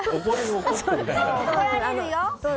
怒られるよ！